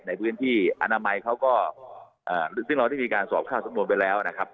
ในพื้นที่อนามัยเขาก็ซึ่งเราได้มีการสอบเข้าสำนวนไปแล้วนะครับ